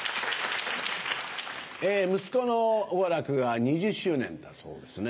息子の王楽が２０周年だそうですね。